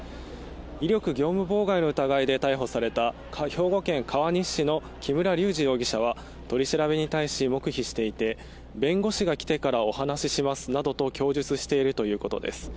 威力業務妨害の疑いで逮捕された兵庫県川西市の木村隆二容疑者は、取り調べに対し黙秘していて、弁護士が来てからお話しますなどと供述しているということです。